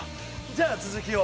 じゃあ続きを。